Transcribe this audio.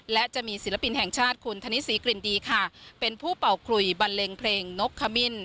และจะมีศิลปินแห่งชาติคุณธนิสีกลิ่นดีค่ะเป็นผู้เป่าคลุยบันเลงเพลงนกขมิ้น